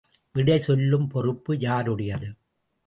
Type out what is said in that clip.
விடை சொல்லும் பொறுப்பு யாருடையது?